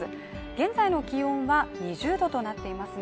現在の気温は２０度となっていますね